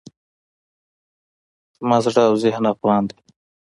زما زړه او ذهن افغان دی.